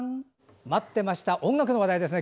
待ってました、音楽の話題ですね。